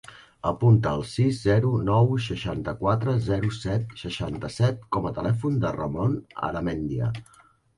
Apunta el sis, zero, nou, seixanta-quatre, zero, set, setanta-set com a telèfon del Ramon Aramendia.